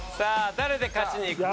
誰で勝ちにいくか。